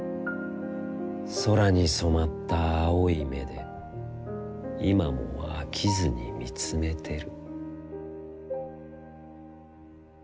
空にそまった青い眼で、いまも、あきずにみつめてる」。